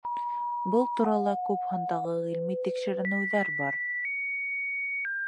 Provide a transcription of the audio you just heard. Был турала күп һандағы ғилми тикшеренеүҙәр бар.